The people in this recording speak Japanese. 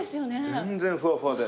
全然ふわふわで。